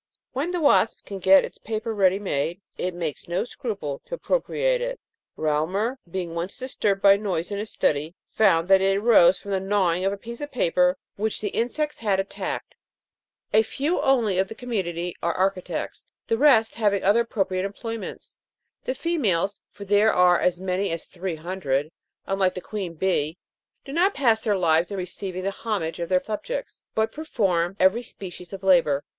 When the wasp can get its paper ready made, it makes no scruple to appro priate it. Reaumur, being once disturbed by a noise in his study, found that it arose from the gnawing of a piece of paper which these insects had ANTS. 55 attacked. A few only of the community are architects ; the lest having other appropriate employments. The females (for there are as many as three hundred), unlike the queen bee, do not pass their lives in receiving the homage of their subjects, but perform every species of labour.